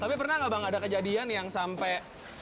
tapi pernah nggak bang ada kejadian yang sampai